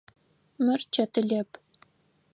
Мыр чэтылэп.